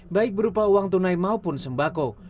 baik berupa uang tunai maupun sembako